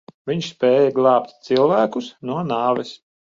Viņš spēja glābt cilvēkus no nāves?